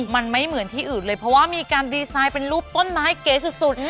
มันไม่เหมือนที่อื่นเลยเพราะว่ามีการดีไซน์เป็นรูปต้นไม้เก๋สุด